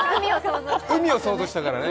海を想像したからね。